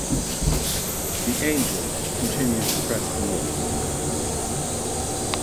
The Angles continued to press north.